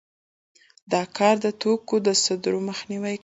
دا کار د توکو د صدور مخنیوی کوي